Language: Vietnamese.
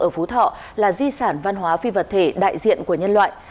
ở phú thọ là di sản văn hóa phi vật thể đại diện của nhân loại